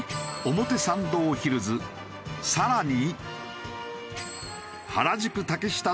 さらに。